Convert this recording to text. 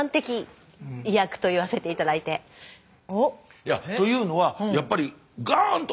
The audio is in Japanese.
いやというのはやっぱりガーン！と